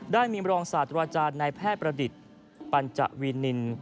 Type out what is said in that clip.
ได้มีรองศาสตราจารย์นายแพทย์ประดิษฐ์ปัญจวีนิน